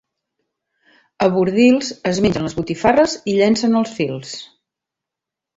A Bordils, es mengen les botifarres i llencen els fils.